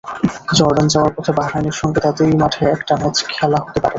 Jordan যাওয়ার পথে বাহরাইনের সঙ্গে তাদেরই মাঠে একটা ম্যাচ খেলা হতে পারে।